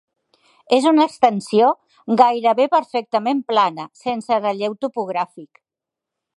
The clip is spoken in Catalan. És una extensió gairebé perfectament plana sense relleu topogràfic.